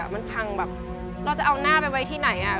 มันพังแบบเราจะเอาหน้าไปไว้ที่ไหน